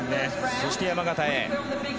そして山縣へ。